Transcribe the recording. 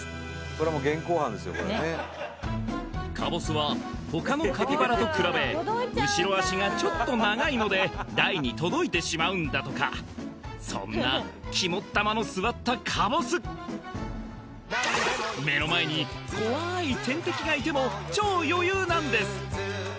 これはもうカボスはほかのカピバラと比べ後ろ足がちょっと長いので台に届いてしまうんだとかそんな肝っ玉の据わったカボス目の前に怖い天敵がいても超余裕なんです